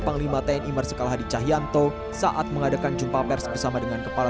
panglima tni marsikal hadi cahyanto saat mengadakan jumpa pers bersama dengan kepala